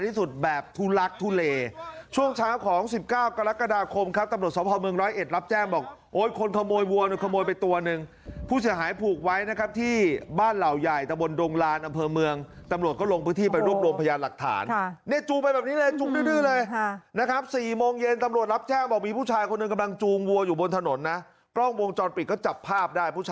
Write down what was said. ทุลักษณ์ทุเลช่วงเช้าของ๑๙กรกฎาคมครับตำรวจสวทพเมือง๑๐๑รับแจ้งบอกโอ๊ยคนขโมยวัวนึงขโมยไปตัวนึงผู้เศร้าหายผูกไว้นะครับที่บ้านเหล่าใหญ่ตะบนโดงลานอำเภอเมืองตำรวจก็ลงพื้นที่ไปร่วมร่วมพยานหลักฐานนี่จูงไปแบบนี้เลยจูงดื้อเลยนะครับ๔โมงเย็นตำรวจรับแจ้งบอกว่า